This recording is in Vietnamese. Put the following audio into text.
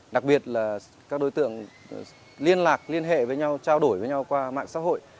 đặc biệt là các đối tượng liên lạc liên hệ với nhau trao đổi với nhau qua mạng xã hội